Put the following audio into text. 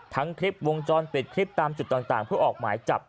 ทั้งคลิปวงจรปิดคลิปตามจุดต่างเพื่อออกหมายจับ